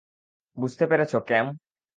বুঝতে পেরেছো, ক্যাম?